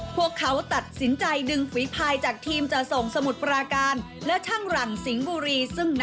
พวกเขาตัดสินใจดึงฝีภายจากทีมจะส่งสมุทรปราการและช่างหลังสิงห์บุรี